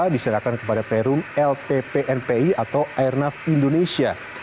diserahkan kepada perum lppnpi atau airnav indonesia